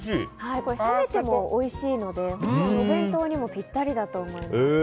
冷めてもおいしいのでお弁当にもぴったりだと思います。